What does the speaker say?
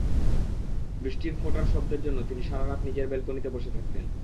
বৃষ্টির ফোঁটার শব্দের জন্য তিনি সারা রাত নিজের ব্যালকনিতে বসে থাকতেন।